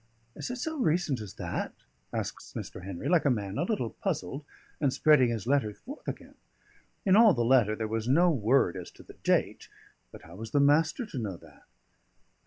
"Is it so recent as that?" asks Mr. Henry, like a man a little puzzled, and spreading his letter forth again. In all the letter there was no word as to the date; but how was the Master to know that?